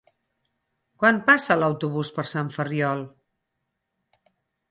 Quan passa l'autobús per Sant Ferriol?